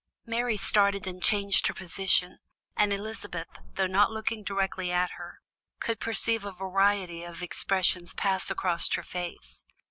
Mary started and changed her position, and Elizabeth, though not looking directly at her, could perceive a variety of expressions pass across her face.